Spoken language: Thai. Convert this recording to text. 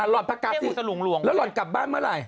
ห่อนประกาศสิแล้วหล่อนกลับบ้านเมื่อไหร่